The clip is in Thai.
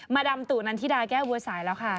มาดามตุนันธิดาแก้วบัวสายแล้วค่ะ